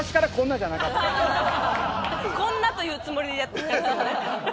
「こんな」というつもりでやってきたんですよね。